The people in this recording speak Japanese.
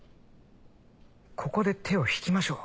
ここで手を引きましょう。